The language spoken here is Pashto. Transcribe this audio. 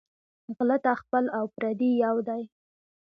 غله ته خپل او پردي یو دى